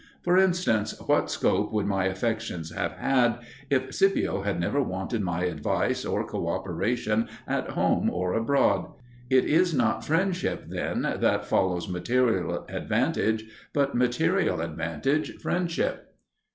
For instance, what scope would my affections have had if Scipio had never wanted my advice or co operation at home or abroad? It is not friendship, then, that follows material advantage, but material advantage friendship.